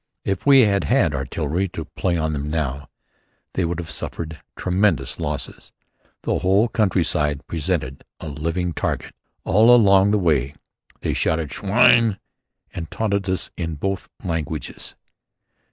If we had had artillery to play on them now they would have suffered tremendous losses. The whole countryside presented a living target. All the way they shouted "Schwein" and taunted us in both languages.